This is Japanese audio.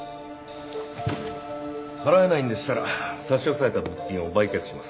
払えないんでしたら差し押さえた物品を売却します。